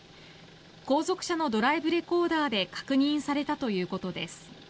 後続車のドライブレコーダーで確認されたということです。